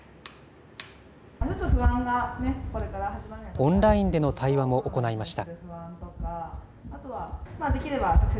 オンラインでの対話も行いました。